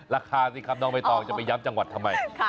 ราคาสิครับน้องใบตองจะไปย้ำจังหวัดทำไม